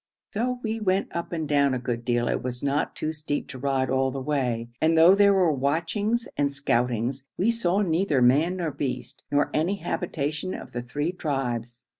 Though we went up and down a good deal, it was not too steep to ride all the way, and though there were watchings and scoutings, we saw neither man nor beast, nor any habitation of the three tribes.